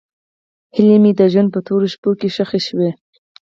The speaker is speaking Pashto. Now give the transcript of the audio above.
هیلې مې د ژوند په تورو شپو کې ښخې شوې.